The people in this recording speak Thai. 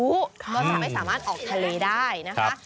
ก็จะไม่สามารถออกทะเลได้นะคะ